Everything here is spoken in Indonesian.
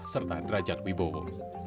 serta derajat wibowo